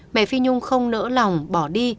mẹ phi nhung không nỡ lòng bỏ đi